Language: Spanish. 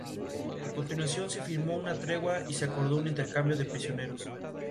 Se consume dentro de los dos años de su producción..